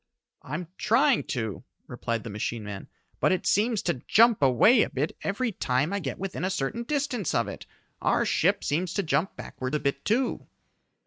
"I'm trying to," replied the machine man, "but it seems to jump away a bit every time I get within a certain distance of it. Our ship seems to jump backward a bit too."